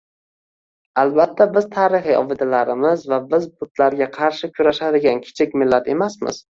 Albatta, biz tarixiy obidalarmizva biz butlarga qarshi kurashadigan kichik millat emasmiz